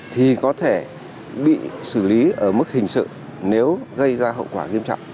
thì có thể bị xử lý ở mức hình sự nếu gây ra hậu quả nghiêm trọng